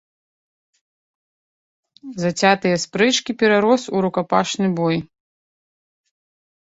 Зацятыя спрэчкі перарос у рукапашны бой.